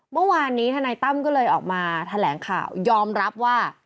เมื่อวานนี้ทนายตั้มก็เลยออกมาแถลงข่าวยอมรับว่า